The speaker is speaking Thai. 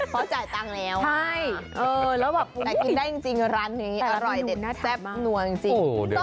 เขาจ่ายตังค์แล้วใช่แล้วแบบแต่กินได้จริงร้านนี้อร่อยเด็ดแซ่บนัวจริง